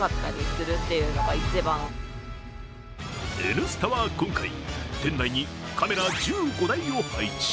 「Ｎスタ」は今回、店内にカメラ１５台を配置。